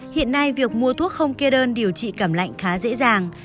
hiện nay việc mua thuốc không kê đơn điều trị cảm lạnh khá dễ dàng